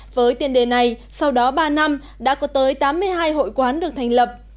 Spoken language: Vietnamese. với tiền đề này sau đó ba năm đã có tới tám mươi hai hội quán được thành lập